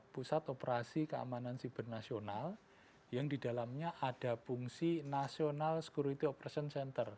pusat operasi keamanan sibernasional yang didalamnya ada fungsi national security operations center